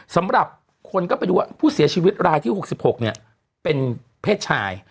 สำหรับคนก็ไปดูว่าผู้เสียชีวิตรายที่๖๖เป็นเพศชาย